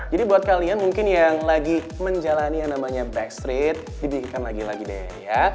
jadi buat kalian mungkin yang lagi menjalani yang namanya backstreet dibikinkan lagi lagi deh ya